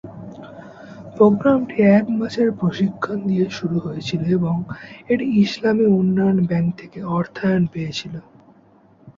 প্রোগ্রামটি এক মাসের প্রশিক্ষণ দিয়ে শুরু হয়েছিল এবং এটি ইসলামী উন্নয়ন ব্যাংক থেকে অর্থায়ন পেয়েছিলো।